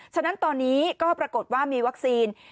ฉะนั้นตอนนี้ก็ปรากฏว่ามีวัคซีน